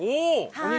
お肉。